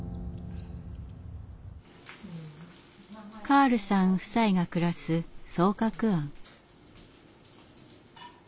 カールさん夫妻が暮らす双鶴庵。